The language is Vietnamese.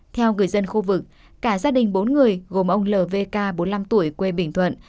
theo người dân khu vực cả gia đình bốn người gồm ông lvk bốn mươi năm tuổi quê bình thuận